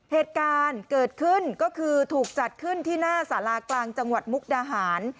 เหตุการณ์เกิดขึ้นก็คือถูกจัดขึ้นที่หน้าสารากลางจังหวัดมุกดาหาร